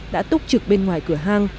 đã túc trực bên ngoài cửa hang